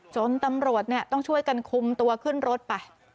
จนตำรวจต้องช่วยกันคุมตัวขึ้นรถไป